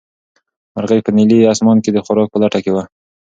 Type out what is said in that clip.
مرغۍ په نیلي اسمان کې د خوراک په لټه کې وه.